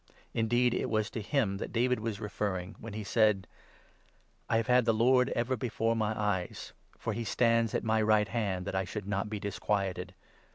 Indeed it was to him 25 that David was referring when he said —' I have had the Lord ever before my eyes, For he stands at my right hand, that I should not be disquieted.